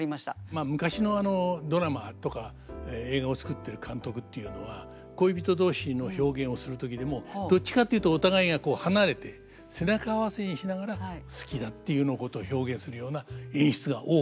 まあ昔のドラマとか映画を作ってる監督っていうのは恋人同士の表現をする時でもどっちかっていうとお互いがこう離れて背中合わせにしながら「好きだ」っていうようなことを表現するような演出が多かったです。